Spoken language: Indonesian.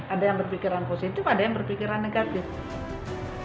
ada yang berpikiran positif ada yang berpikiran negatif